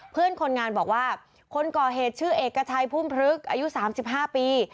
เพื่อนคนงานบอกว่าคนก่อเหตุชื่อเอกชัยพุ่มพลึกอายุ๓๕ปี